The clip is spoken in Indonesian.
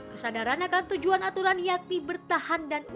kesadaran akan tujuan aturan yakni bertahan dan aman